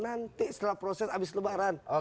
nanti setelah proses habis lebaran